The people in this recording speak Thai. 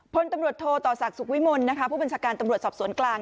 พลตำรวจโทต่อศักดิ์สุขวิมลผู้บัญชาการตำรวจสอบสวนกลาง